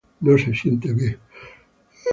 No se siente bien.